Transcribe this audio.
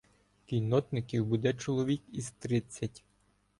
Кіннотників буде чоловік із тридцять.